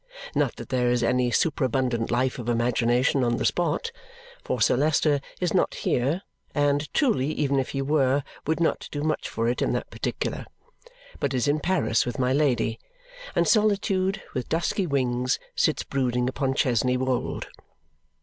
Not that there is any superabundant life of imagination on the spot, for Sir Leicester is not here (and, truly, even if he were, would not do much for it in that particular), but is in Paris with my Lady; and solitude, with dusky wings, sits brooding upon Chesney Wold.